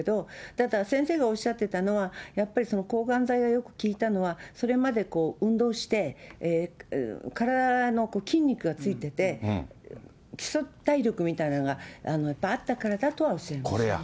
ただ、先生がおっしゃってたのは、やっぱり抗がん剤がよく効いたのは、それまで運動して、体の筋肉がついてて、基礎体力みたいなのがやっぱりあったからだとおっしゃいました。